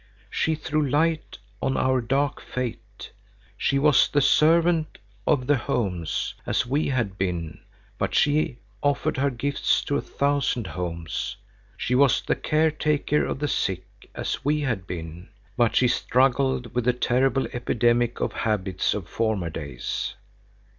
She threw light on our dark fate. She was the servant of the homes, as we had been, but she offered her gifts to a thousand homes. She was the caretaker of the sick, as we had been, but she struggled with the terrible epidemic of habits of former days.